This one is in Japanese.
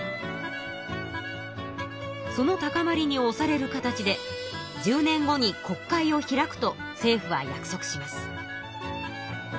その高まりにおされる形で１０年後に国会を開くと政府は約束します。